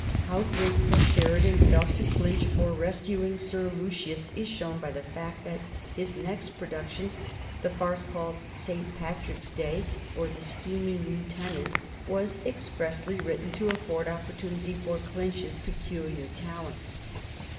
How grateful Sheridan felt to Clinch for rescuing Sir Lucius is shown by the fact that his next production, the farce called "St. Patrick's Day; or, the Scheming Lieutenant," was expressly written to afford opportunity for Clinch's peculiar talents.